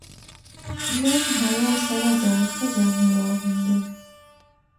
نن هوا سړه ده، ښه جامې واغونده.